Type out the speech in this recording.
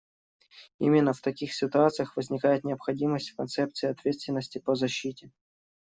Именно в таких случаях возникает необходимость в концепции ответственности по защите.